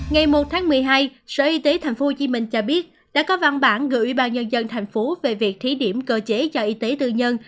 ngày một tháng một mươi hai sở y tế tp hcm cho biết đã có văn bản gửi ủy ban nhân dân thành phố về việc thí điểm cơ chế cho y tế tư nhân